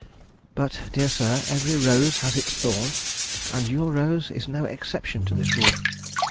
But, dear sir, every rose has its thorn, and your rose is no exception to this rule.